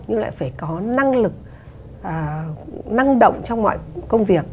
nhưng lại phải có năng lực năng động trong mọi công việc